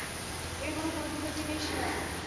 এর কোনো প্রতিদ্বন্দ্বী নেই সীমায়!